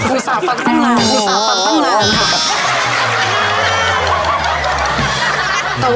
อุตสะค้างตั้งแล้ว